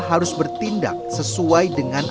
harus bertindak sesuai dengan